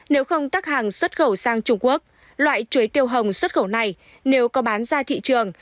nếu không tách hàng xuất khẩu sang trung quốc loại chuối tiêu hồng xuất khẩu này nếu có bán ra thị trường